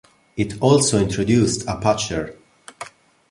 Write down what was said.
It also introduced a patcher.